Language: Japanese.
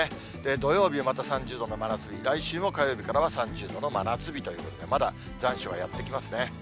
土曜日また３０度の真夏日、来週も火曜日からは３０度の真夏日ということで、まだ残暑はやって来ますね。